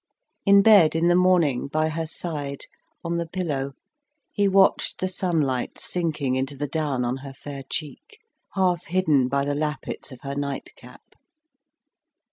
In bed, in the morning, by her side, on the pillow, he watched the sunlight sinking into the down on her fair cheek, half hidden by the lappets of her night cap.